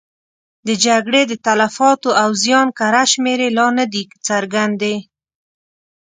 د جګړې د تلفاتو او زیان کره شمېرې لا نه دي څرګندې.